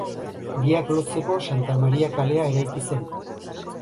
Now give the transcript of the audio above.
Biak lotzeko Santa Maria kalea eraiki zen.